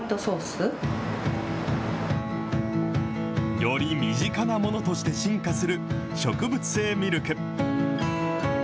より身近なものとして進化する植物性ミルク。